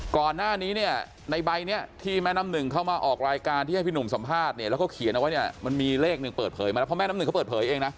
ก่อนหน้านี้เนี่ยในใบนี้ที่แม่น้ำหนึ่งเข้ามาออกรายการที่ให้พี่หนุ่มสัมภาษณ์เนี่ยแล้วก็เขียนเอาไว้เนี่ยมันมีเลขหนึ่งเปิดเผยมาแล้วเพราะแม่น้ำหนึ่งเขาเปิดเผยเองนะ